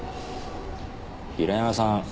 平山さん